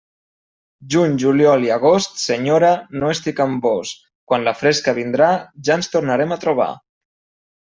Juny, juliol i agost, senyora, no estic amb vós; quan la fresca vindrà ja ens tornarem a trobar.